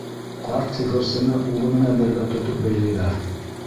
Ҡарт сихырсыны улы менән бергә тотоп бәйләйҙәр.